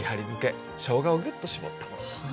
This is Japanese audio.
しょうがをギュッと絞ったものですね。